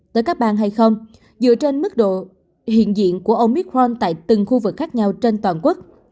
tới các bang hay không dựa trên mức độ hiện diện của ông michron tại từng khu vực khác nhau trên toàn quốc